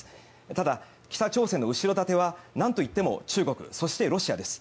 ただ、北朝鮮の後ろ盾はなんといっても中国そしてロシアです。